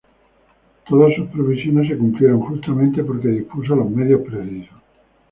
Todas sus previsiones se cumplieron, justamente porque dispuso los medios precisos.